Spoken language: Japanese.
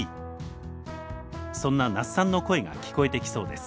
そんな那須さんの声が聞こえてきそうです。